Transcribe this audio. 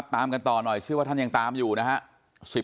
ตามกันต่อหน่อยเชื่อว่าท่านยังตามอยู่นะฮะ